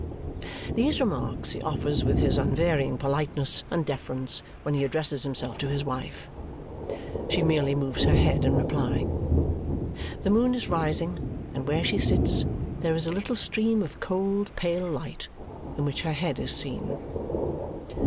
These remarks he offers with his unvarying politeness and deference when he addresses himself to his wife. She merely moves her head in reply. The moon is rising, and where she sits there is a little stream of cold pale light, in which her head is seen.